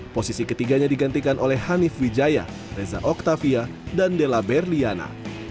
posisi ketiganya digantikan oleh hanif wijaya reza oktavia dan della berliana